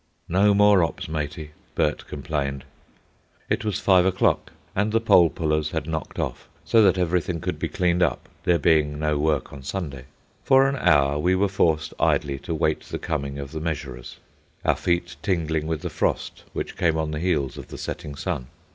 "No more 'ops, matey," Bert complained. It was five o'clock, and the pole pullers had knocked off, so that everything could be cleaned up, there being no work on Sunday. For an hour we were forced idly to wait the coming of the measurers, our feet tingling with the frost which came on the heels of the setting sun.